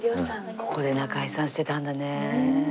ここで仲居さんしてたんだね。